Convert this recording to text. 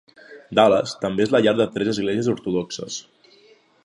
Dallas també és la llar de tres esglésies ortodoxes.